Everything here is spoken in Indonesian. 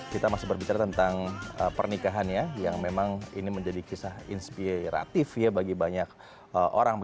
kita masih berbicara tentang pernikahannya yang memang ini menjadi kisah inspiratif ya bagi banyak orang